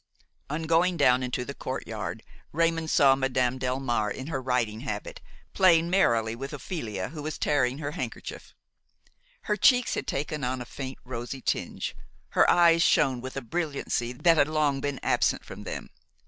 On going down into the courtyard Raymon saw Madame Delmare in her riding habit, playing merrily with Ophelia, who was tearing her handkerchief. Her cheeks had taken on a faint rosy tinge, her eyes shone with a brilliancy that had long been absent from them.